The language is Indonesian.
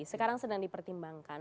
sekarang sedang dipertimbangkan